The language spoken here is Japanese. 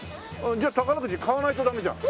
じゃあ宝くじ買わないとダメじゃん。